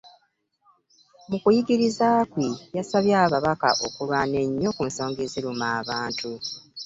Mu kuyigiriza kwe, yasabye ababaka okulwana ennyo ku nsonga eziruma abantu